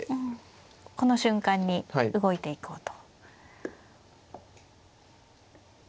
この瞬間に動いていこうと。